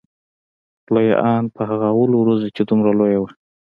خوله يې ان په هغه اولو ورځو کښې دومره لويه وه.